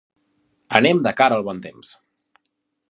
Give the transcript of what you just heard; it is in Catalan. Anem de cara al bon temps.